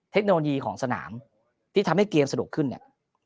เทคโนโลยีของสนามที่ทำให้เกมสะดวกขึ้นเนี่ย